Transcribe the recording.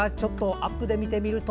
アップで見てみると。